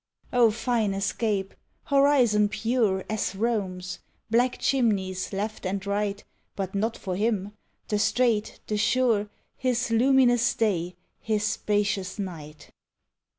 O fine escape, horizon pure As Rome's! Black chimneys left and right, But not for him, the straight, the sure, His luminous day, his spacious night.